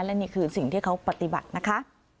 และนี่คือสิ่งที่เขาปฏิบัตินะคะ